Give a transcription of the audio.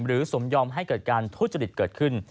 หรือสมยอมให้เกิดการทุจจฤทธิ์เกิดขึ้น